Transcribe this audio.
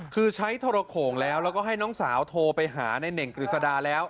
คือใช้โทรโขงแล้วแล้วก็ให้น้องสาวโทรไปหาในเน่งกฤษดาแล้ว